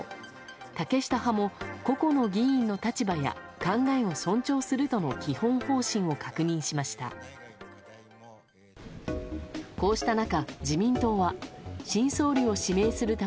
竹下派も個々の議員の立場や考えを尊重するとの基本方針を確認しました。